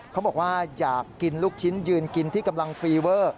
เขาบอกว่าอยากกินลูกชิ้นยืนกินที่กำลังฟีเวอร์